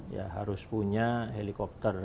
ya harus punya helikopter